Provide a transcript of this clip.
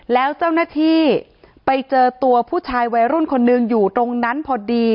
แล้วเจ้าหน้าที่ไปเจอตัวผู้ชายวัยรุ่นคนหนึ่งอยู่ตรงนั้นพอดี